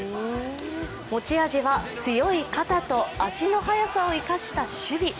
持ち味は強い肩と足の速さを生かした守備。